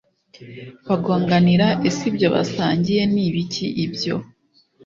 bagonganira ese ibyo basangiye ni ibiki ibyo